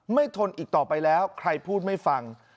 ทนอีกต่อไปแล้วใครพูดไม่ฟัง